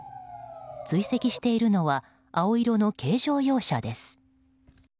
追跡しているのは青色の軽乗用車です。